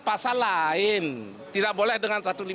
pasal lain tidak boleh dengan